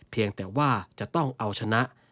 เพียงแต่ว่าจะต้องเอาชนะ